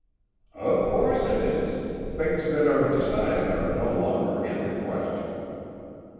"Of course it is. Things that are decided are no longer in the question."